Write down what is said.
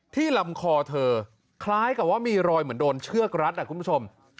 ลำคอเธอคล้ายกับว่ามีรอยเหมือนโดนเชือกรัดคุณผู้ชม